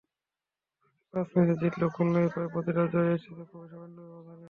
বাকি পাঁচ ম্যাচে জিতলেও খুলনার প্রায় প্রতিটা জয়ই এসেছে খুবই সামান্য ব্যবধানে।